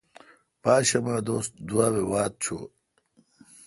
پاشمہ دوس دوابہ واتھ چوں ۔